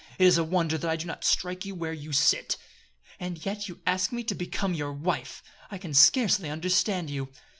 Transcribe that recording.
It is a wonder that I do not strike you where you sit." "And yet you ask me to become your wife! I can scarcely understand you."